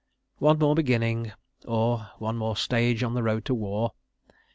... One more "beginning"—or one more stage on the road to War!